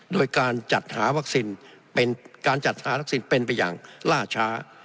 โดยการจัดหาวัคซินเป็นไปอย่างล่าช้า